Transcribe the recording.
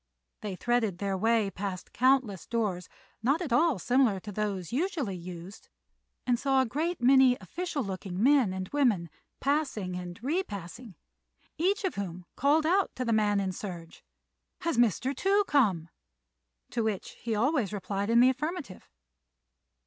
They threaded their way past countless doors, not at all similar to those usually used, and saw a great many official looking men and women passing and repassing, each of whom called out to the man in serge, "Has Mr. Tou come?" to which he always replied in the affirmative.